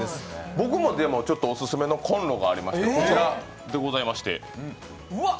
僕もオススメのこんろがありまして、こちらでございまして。